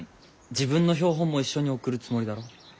自分の標本も一緒に送るつもりだろ？